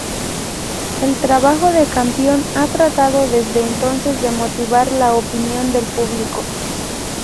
El trabajo de Campion ha tratado desde entonces de motivar la opinión del público.